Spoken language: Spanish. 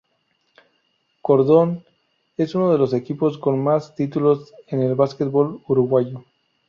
Cordón es uno de los equipos con más títulos en el basquetbol Uruguayo.